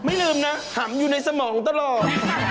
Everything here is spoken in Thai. ลืมนะขำอยู่ในสมองตลอด